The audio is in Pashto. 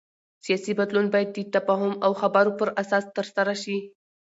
سیاسي بدلون باید د تفاهم او خبرو پر اساس ترسره شي